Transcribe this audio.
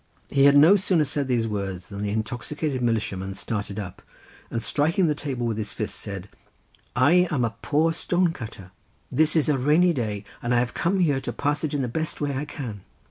He had no sooner said these words than the intoxicated militiaman started up, and striking the table with his fist, said: "I am a poor stone cutter—this is a rainy day and I have come here to pass it in the best way I can.